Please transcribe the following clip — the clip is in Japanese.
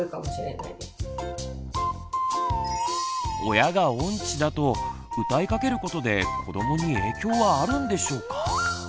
親が音痴だと歌いかけることで子どもに影響はあるんでしょうか？